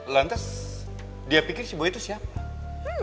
lantas dia pikir si bui itu siapa